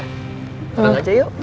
pulang aja yuk